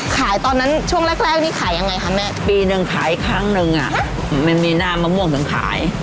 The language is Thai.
ขายตอนนั้นช่วงแรกนี่ขายยังไงคะแม่